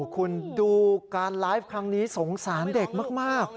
คุณดูการไลฟ์ครั้งนี้สงสารเด็กมาก